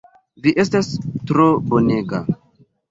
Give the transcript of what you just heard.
Vi estas tro bonega!